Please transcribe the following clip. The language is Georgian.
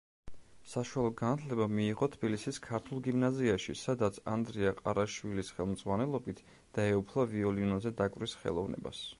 საშუალო განათლება მიიღო თბილისის ქართულ გიმნაზიაში, სადაც ანდრია ყარაშვილის ხელმძღვანელობით დაეუფლა ვიოლინოზე დაკვრის ხელოვნებას.